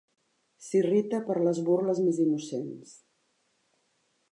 S'irrita per les burles més innocents.